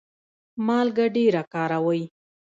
مالګه ډیره کاروئ؟